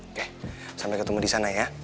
oke sampai ketemu disana ya